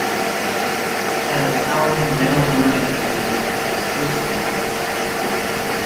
An Italian male version of the name is "Cosimo".